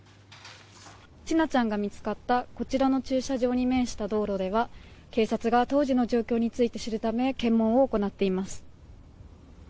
「千奈ちゃんが見つかったこちらの駐車場に面した道路では警察が当時の状況について知るため検問を行っています」